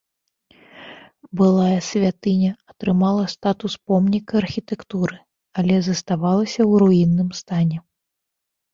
Былая святыня атрымала статус помніка архітэктуры, але заставалася ў руінным стане.